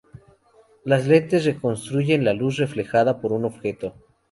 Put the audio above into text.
Las lentes reconstruyen la luz reflejada por un objeto.